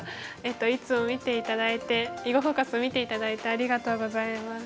いつも見て頂いて「囲碁フォーカス」を見て頂いてありがとうございます。